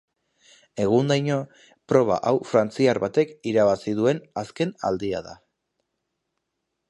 Egundaino, proba hau frantziar batek irabazi duen azken aldia da.